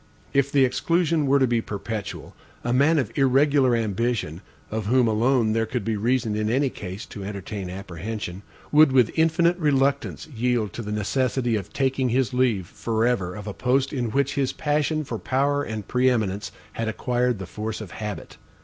If the exclusion were to be perpetual, a man of irregular ambition, of whom alone there could be reason in any case to entertain apprehension, would, with infinite reluctance, yield to the necessity of taking his leave forever of a post in which his passion for power and pre eminence had acquired the force of habit.